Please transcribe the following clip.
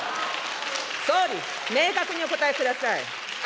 総理、明確にお答えください。